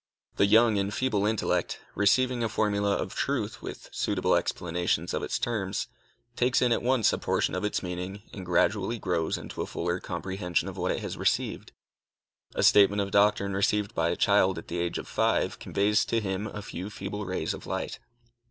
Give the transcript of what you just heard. The young and feeble intellect, receiving a formula of truth with suitable explanations of its terms, takes in at once a portion of its meaning and gradually grows into a fuller comprehension of what it has received. A statement of doctrine received by a child at the age of five, conveys to him a few feeble rays of light.